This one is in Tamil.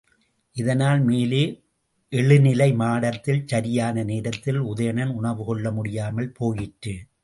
இதனால் மேலே எழுநிலை மாடத்தில் சரியான நேரத்தில் உதயணன் உணவுகொள்ள முடியாமல் போயிற்று.